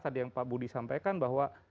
tadi yang pak budi sampaikan bahwa